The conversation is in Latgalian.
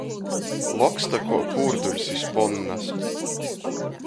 Loksta, kuo pūrduļs iz ponnas